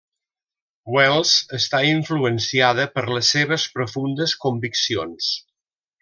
Wells està influenciada per les seves profundes conviccions.